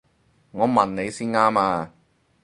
我問你先啱啊！